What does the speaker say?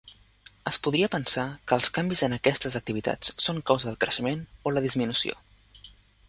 Es podria pensar que els canvis en aquestes activitats són causa del creixement o la disminució.